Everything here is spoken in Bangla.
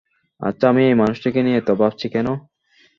আচ্ছা, আমি এই মানুষটিকে নিয়ে এত ভাবছি কেন?